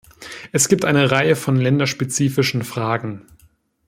Es gibt eine Reihe von länderspezifischen Fragen.